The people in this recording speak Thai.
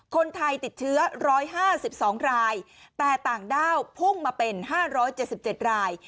คนไทยติดเชื้อ๑๕๒รายแต่ต่างด้าวพุ่งมาเป็น๕๗๗ราย